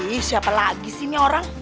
ih siapa lagi sih ini orang